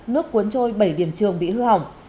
nước cuốn trôi bảy điểm trường bị hư hỏng